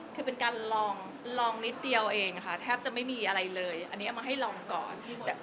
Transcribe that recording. คือเป็นการลองนิดเดียวเองค่ะแทบจะไม่มีอะไรเลยอันนี้เอามาให้ลองก่อน